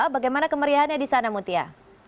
bagaimana kemeriahannya di sana mutia